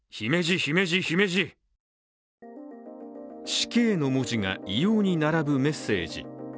死刑の文字が異様に並ぶメッセージ。